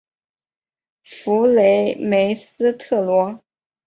弗雷梅斯特罗。